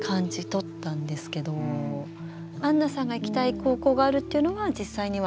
あんなさんが行きたい高校があるというのは実際には？